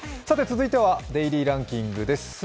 続いては、「デイリーランキング」です。